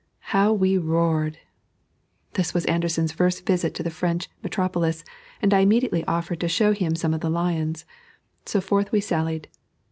How we roared! This was Anderssen's first visit to the French metropolis, and I immediately offered to show him some of the lions. So forth we sallied.